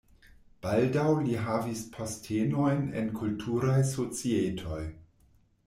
Baldaŭ li havis postenojn en kulturaj societoj.